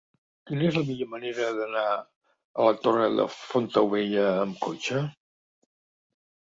Quina és la millor manera d'anar a la Torre de Fontaubella amb cotxe?